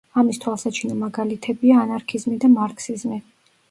ამის თვალსაჩინო მაგალითებია ანარქიზმი და მარქსიზმი.